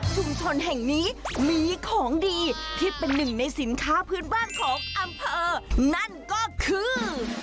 ชุมชนแห่งนี้มีของดีที่เป็นหนึ่งในสินค้าพื้นบ้านของอำเภอนั่นก็คือ